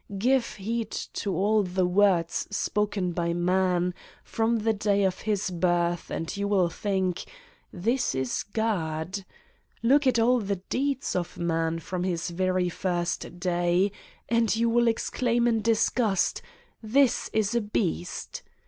Give heed to all the words spoken by man from the day of his birth and you will think: this is God! Look at all the deeds of man from his very first day and you will exclaim in disgust: this is a beast!